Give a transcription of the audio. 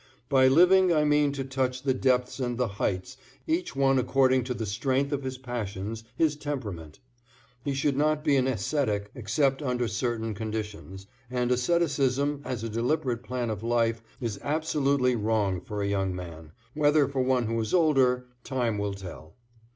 By living I mean to touch the depths and the heights, each one according to the strength of his passions, his temperament. He should not be an ascetic except under certain conditions, and asceticism as a deliberate plan of life is absolutely wrong for a young man whether for one who is older time will tell.